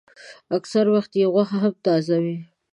اکثره وخت یې غوښه هم تازه وي.